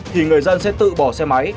thì người dân sẽ tự bỏ xe máy